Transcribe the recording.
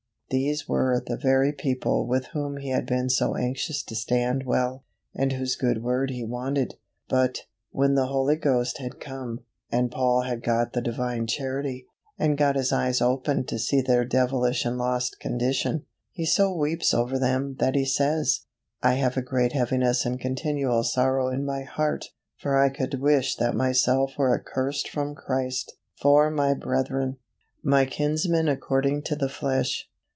These were the very people with whom he had been so anxious to stand well, and whose good word he wanted; but, when the Holy Ghost had come, and Paul had got the Divine Charity, and got his eyes opened to see their devilish and lost condition, he so weeps over them that he says, "I have great heaviness and continual sorrow in my heart. For I could wish that myself were accursed from Christ, for my brethren, my kinsmen according to the flesh."